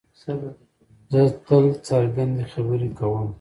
زه تل څرګندې خبرې کوم.